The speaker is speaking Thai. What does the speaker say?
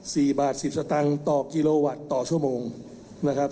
สี่บาทสิบสตางค์ต่อกิโลวัตต์ต่อชั่วโมงนะครับ